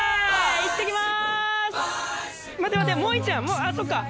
いってきます。